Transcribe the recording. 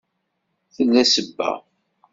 Tella sebba.